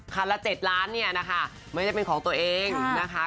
ละ๗ล้านเนี่ยนะคะไม่ได้เป็นของตัวเองนะคะ